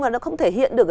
và nó không thể hiện được